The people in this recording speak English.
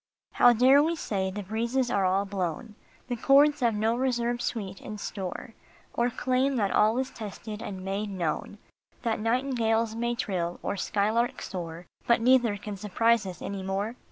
How dare we say the breezes all are blown, The chords have no reserved sweet in store ; Or claim that all is tested and made known, That nightingales may trill, or skylarks soar, But neither can surprise us any more